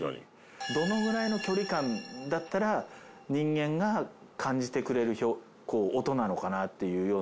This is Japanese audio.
どのぐらいの距離感だったら人間が感じてくれる音なのかなっていうような。